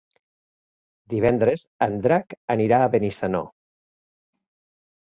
Divendres en Drac anirà a Benissanó.